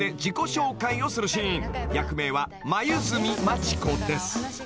［役名は黛真知子です］